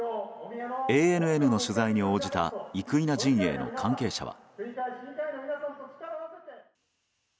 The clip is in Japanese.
ＡＮＮの取材に応じた生稲陣営の関係者は。